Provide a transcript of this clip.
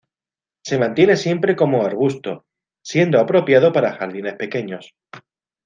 Se mantiene siempre como arbusto, siendo apropiado para jardines pequeños.